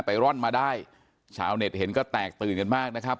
ร่อนมาได้ชาวเน็ตเห็นก็แตกตื่นกันมากนะครับ